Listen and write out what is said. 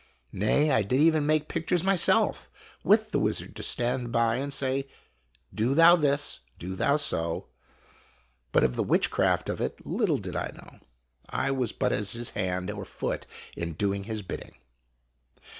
Nay, I did even make pictures myself with the wizard to stand by and say, " Do thou this," " Do thou so"; but of the witchcraft of it little did I know. I was but as his hand or foot in doing his bidding.